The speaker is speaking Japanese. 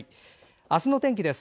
明日の天気です。